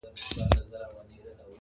د نښتر وني جنډۍ سوې د قبرونو،